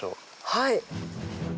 はい。